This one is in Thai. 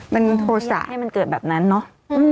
มันโทสะไม่อยากให้มันเกิดแบบนั้นเนอะ